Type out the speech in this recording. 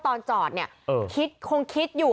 ตอนจอดเนี่ยคิดคงคิดอยู่